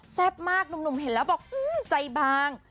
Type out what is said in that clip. แซ่บมากหนุ่มเห็นแล้วบอกอืมใจบาง